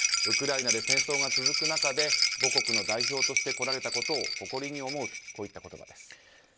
ウクライナで戦争が続く中で母国の代表として来られたことを誇りに思うといった言葉です。